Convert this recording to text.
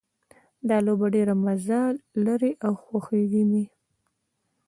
دا لوبه ډېره مزه لري او خوښیږي مې